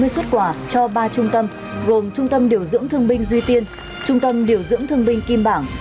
hai mươi xuất quà cho ba trung tâm gồm trung tâm điều dưỡng thương binh duy tiên trung tâm điều dưỡng thương binh kim bảng